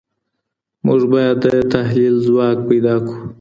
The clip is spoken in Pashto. موږ بايد د تحليل ځواک پيدا کړو.